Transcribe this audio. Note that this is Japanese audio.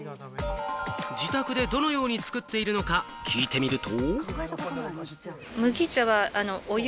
自宅でどのように作っているのか聞いてみると。